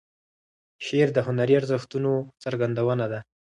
شعر د هنري ارزښتونو څرګندونه ده.